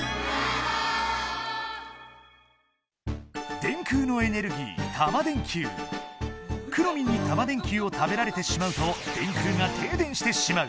電空のエネルギーくろミンにタマ電Ｑを食べられてしまうと電空がてい電してしまう。